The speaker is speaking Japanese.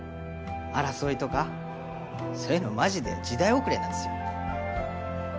争いとかそういうのマジで時代遅れなんすよ。